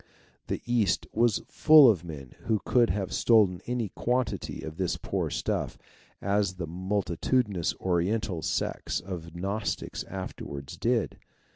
The East was full of men who could have stolen any quantity of this poor stuff, as the multitudinous Oriental sects of Gnostics afterwards did.